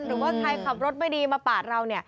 หรือว่าใครขับรถไม่ดีมาปาดเรา